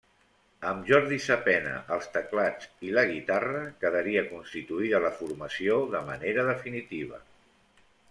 Amb Jordi Sapena als teclats i la guitarra quedaria constituïda la formació de manera definitiva.